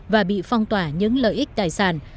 và bị phong tỏa những lợi ích tài sản